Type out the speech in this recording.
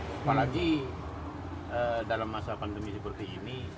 apalagi dalam masa pandemi seperti ini